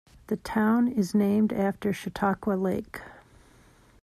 The town is named after Chautauqua Lake.